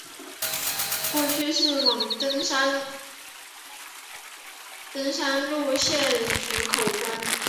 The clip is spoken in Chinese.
过去是往的登山路线玄关口。